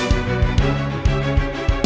nanti aku tidur heat nih